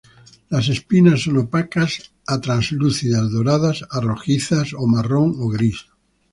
Las espinas son opacas a translúcidas doradas a rojizas o marrón o gris.